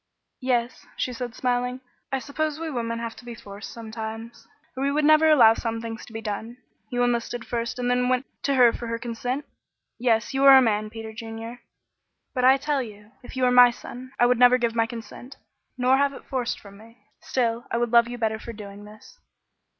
"Yes," she said, smiling, "I suppose we women have to be forced sometimes, or we never would allow some things to be done. You enlisted first and then went to her for her consent? Yes, you are a man, Peter Junior. But I tell you, if you were my son, I would never give my consent nor have it forced from me still I would love you better for doing this."